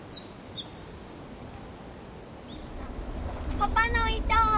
パパの糸！